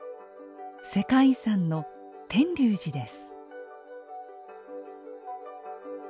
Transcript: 世界遺産の天龍寺です。